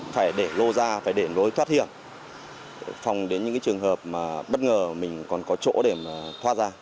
phải để lô ra phải để lối thoát hiểm phòng đến những trường hợp mà bất ngờ mình còn có chỗ để mà thoát ra